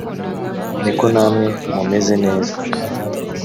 ni ko namwe mumeze neza